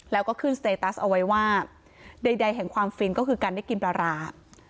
แล้วก็ขึ้นสเตตัสเอาไว้ว่าใดแห่งความฟินก็คือการได้กินปลาร้า